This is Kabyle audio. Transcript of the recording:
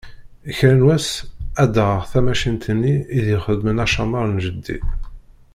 Kra n wass ad d-aɣeɣ tamacint-nni i d-ixeddmen acamar n jeddi.